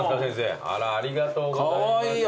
ありがとうございます。